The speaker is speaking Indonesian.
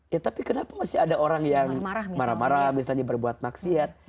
ya tapi kenapa masih ada orang yang marah marah misalnya berbuat maksiat